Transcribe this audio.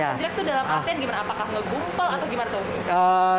akan jelek itu dalam artian gimana apakah ngegumpel atau gimana tuh